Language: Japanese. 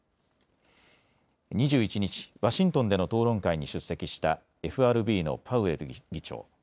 ２１日、ワシントンでの討論会に出席したＦＲＢのパウエル議長。